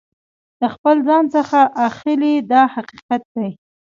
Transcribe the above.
د خپل ځان څخه اخلي دا حقیقت دی.